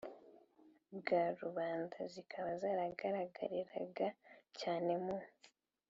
bwa rubanda, zikaba zaragaragariraga cyane, mu